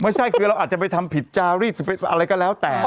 ไม่ใช่คือเราอาจจะไปทำผิดจารีดอะไรก็แล้วแต่